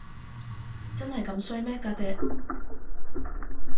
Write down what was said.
真係咁衰咩，家姐？